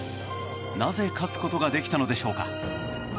なぜ、勝つことができたのでしょうか。